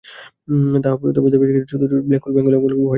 তবে বেশি দেখা যায় চতুষ্পদ ব্ল্যাক বেঙ্গল গোট এবং হোয়াইট বেয়ার্ডেড বেঙ্গল।